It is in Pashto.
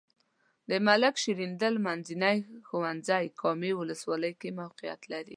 د ملک شیریندل منځنی ښونځی کامې ولسوالۍ کې موقعیت لري.